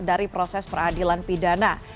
dari proses peradilan pidana